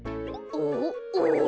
おお！